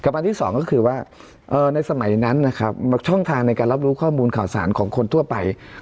อันที่สองก็คือว่าในสมัยนั้นนะครับช่องทางในการรับรู้ข้อมูลข่าวสารของคนทั่วไป